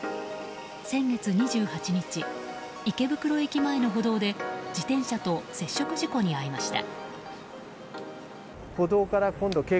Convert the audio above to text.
先月２８日池袋駅前の歩道で自転車と接触事故に遭いました。